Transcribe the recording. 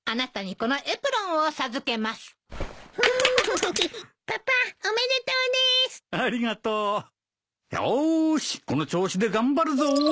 この調子で頑張るぞ！